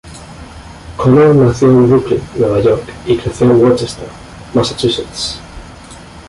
Connor nació en Brooklyn, Nueva York y creció en Worcester, Massachusetts.